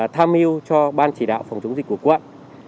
tham mưu cho ban chỉ đạo phòng chống dịch của quận